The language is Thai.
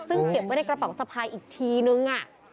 ซึ่งเก็บไว้ในกระเป๋าสะพายอีกทีนึง